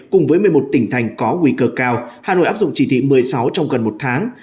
cùng với một mươi một tỉnh thành có nguy cơ cao hà nội áp dụng chỉ thị một mươi sáu trong gần một tháng